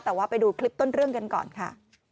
แต่ว่าไปดูคลิปต้นเรื่องกันก่อนค่ะ